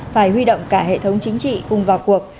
phải huy động cả hệ thống chính trị cùng vào cuộc